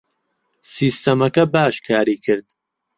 سیستەمەکە باش کاری کرد.